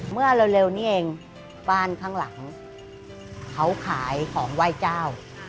เมื่อเร็วนี้เองบ้านข้างหลังเขาขายของไหว้เจ้า